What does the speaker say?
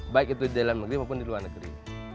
baik itu di dalam negeri maupun di luar negeri